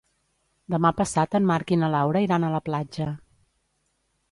Demà passat en Marc i na Laura iran a la platja.